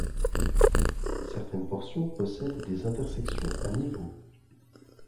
Certaines portions possèdent des intersections à niveau.